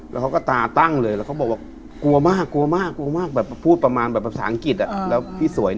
เราก็ตาตั้งเลย